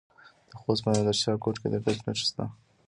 د خوست په نادر شاه کوټ کې د ګچ نښې شته.